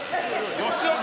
吉岡！